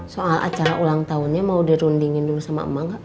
soal acara ulang tahunnya mau dirundingin dulu sama emak